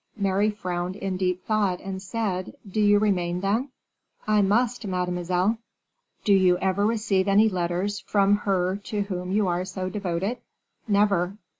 Mary frowned in deep thought, and said, "Do you remain, then?" "I must, mademoiselle." "Do you ever receive any letters from her to whom you are so devoted?" "Never."